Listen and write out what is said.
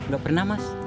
gak pernah mas